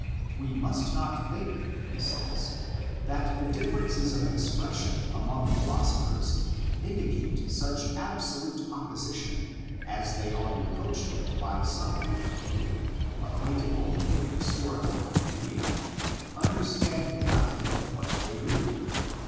We must not think, he says, that the differences of expression among philosophers indicate such absolute opposition as they are reproached with by some who, acquainted only with historical com pendia, understand nothing of what they read.